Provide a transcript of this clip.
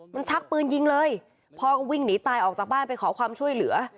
มันชักปืนยิงเลยพ่อก็วิ่งหนีตายออกจากบ้านไปขอความช่วยเหลือ